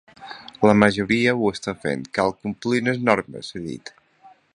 La majoria ho està fent, cal complir les normes, ha dit.